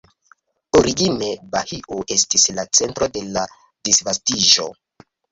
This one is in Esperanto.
Origine Bahio estis la centro de la disvastiĝo.